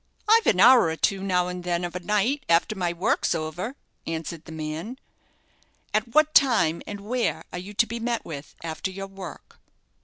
"I've an hour or two, now and then, of a night, after my work's over," answered the man. "At what time, and where, are you to be met with after your work?"